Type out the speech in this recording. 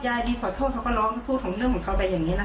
ยินดีขอโทษเขาก็ร้องพูดของเรื่องของเขาไปอย่างนี้นะคะ